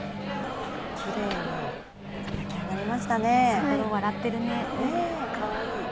太郎笑ってるね。ねぇかわいい！